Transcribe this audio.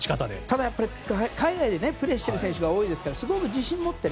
ただやっぱり海外でプレーしている選手が多いですからすごく自信を持って。